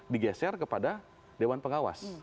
digeser kepada dewan pengawas